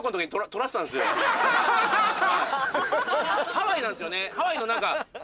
ハワイなんですよね。